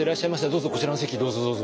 どうぞこちらの席どうぞどうぞ。